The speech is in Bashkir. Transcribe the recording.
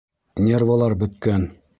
Нервылар бөткән.